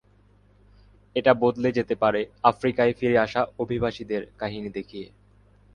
এটা বদলে যেতে পারে আফ্রিকায় ফিরে আসা অভিবাসীদের কাহিনী দেখিয়ে।